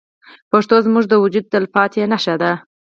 پښتو زموږ د وجود تلپاتې نښه ده.